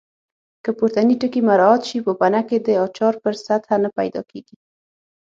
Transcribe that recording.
که پورتني ټکي مراعات شي پوپنکې د اچار پر سطحه نه پیدا کېږي.